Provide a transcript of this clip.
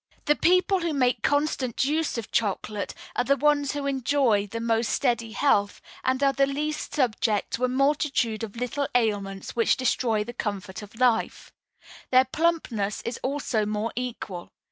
"The people who make constant use of chocolate are the ones who enjoy the most steady health, and are the least subject to a multitude of little ailments which destroy the comfort of life; their plumpness is also more equal.